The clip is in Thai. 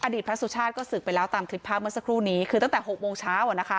พระสุชาติก็ศึกไปแล้วตามคลิปภาพเมื่อสักครู่นี้คือตั้งแต่๖โมงเช้า